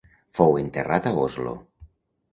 Fou enterrat a Oslo.